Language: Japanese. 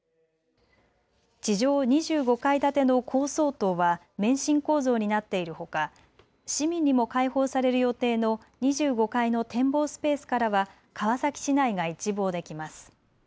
地上２５階建ての高層棟は免震構造になっているほか市民にも開放される予定の２５階の展望スペースからは川崎市内が一望できます。